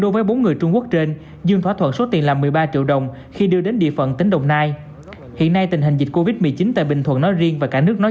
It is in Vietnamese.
đối với hiệp số tiền là một mươi triệu đồng về hành vi cho vay lãnh nặng và đánh bạc